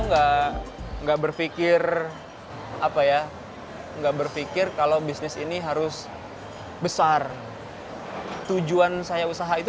enggak enggak berpikir apa ya enggak berpikir kalau bisnis ini harus besar tujuan saya usaha itu